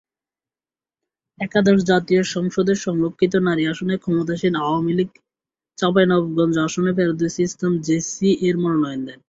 একাদশ জাতীয় সংসদের সংরক্ষিত নারী আসনে ক্ষমতাসীন আওয়ামী লীগ চাঁপাইনবাবগঞ্জ আসনে ফেরদৌসী ইসলাম জেসি এর মনোনয়ন দেন।